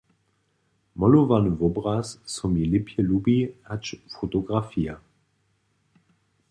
Molowany wobraz so mi lěpje lubi hač fotografija.